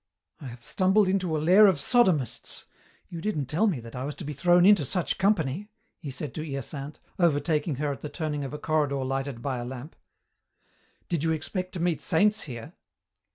"I have stumbled into a lair of sodomists. You didn't tell me that I was to be thrown into such company," he said to Hyacinthe, overtaking her at the turning of a corridor lighted by a lamp. "Did you expect to meet saints here?"